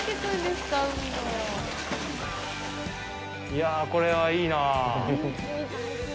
いやぁ、これはいいなぁ！